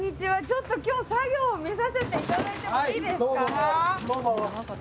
ちょっと今日作業を見させて頂いてもいいですか？